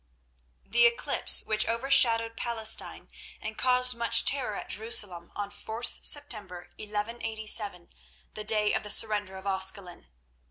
The eclipse, which overshadowed Palestine and caused much terror at Jerusalem on 4th September, 1187, the day of the surrender of Ascalon.